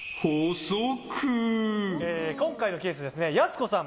今回のケース、やす子さん